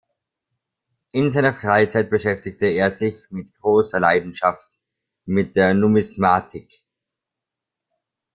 In seiner Freizeit beschäftigte er sich mit großer Leidenschaft mit der Numismatik.